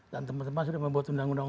dan teman teman sudah membuat undang undang